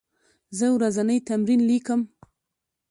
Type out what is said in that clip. زه ورځنی تمرین لیکم.